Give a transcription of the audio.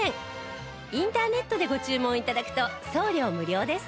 インターネットでご注文頂くと送料無料です